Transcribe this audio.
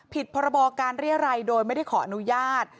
พรบการเรียรัยโดยไม่ได้ขออนุญาต